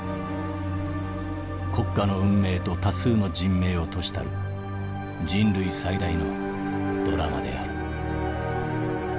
国家の運命と多数の人命を賭したる人類最大のドラマである」。